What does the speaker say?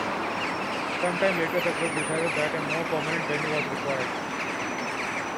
Some time later the group decided that a more permanent venue was required.